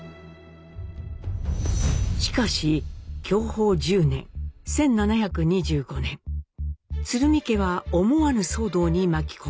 しかし享保１０年１７２５年鶴見家は思わぬ騒動に巻き込まれます。